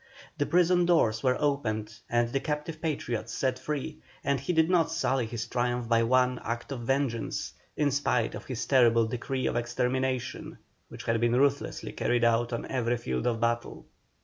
The prison doors were opened and the captive Patriots set free, and he did not sully his triumph by one act of vengeance, in spite of his terrible decree of extermination which had been ruthlessly carried out on every field of battle.